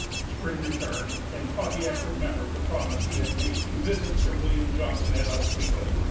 Spring returned, and Pontiac remembered the promise he had made to visit Sir William Johnson at Oswego.